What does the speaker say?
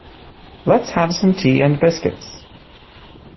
Let's have some tea and biscuits.